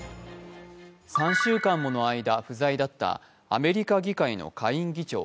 ３週間もの間、不在だったアメリカ議会の下院議長。